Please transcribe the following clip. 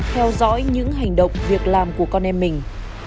theo dõi những hành động việc làm của con em mình